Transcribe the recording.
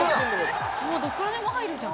どこからでも入るじゃん。